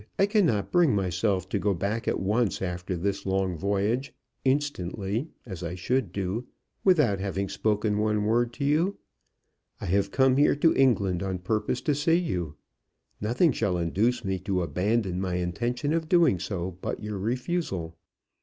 "I cannot bring myself to go back at once after this long voyage, instantly, as I should do, without having spoken one word to you. I have come here to England on purpose to see you. Nothing shall induce me to abandon my intention of doing so, but your refusal.